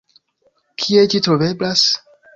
Kie ĝi troveblas?